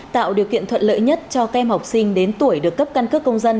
tạo điều kiện thuận lợi nhất cho kem học sinh đến tuổi được cấp căn cước công dân